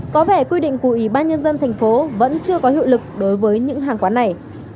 có vẻ quy định của ủy ban nhân dân thành phố vẫn chưa có hiệu lực đối với những hàng quán này